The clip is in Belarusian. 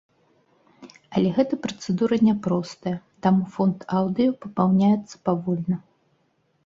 Але гэтая працэдура няпростая, таму фонд аўдыё папаўняецца павольна.